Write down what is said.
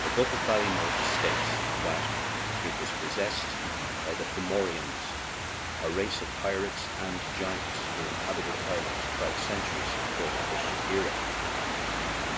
The Book of Ballymote states that it was 36 FALLCARRAGH TO GWEEDORE possessed by the Fomorians, a race of pirates and giants who inhabited Ire land twelve centuries before the Christian era.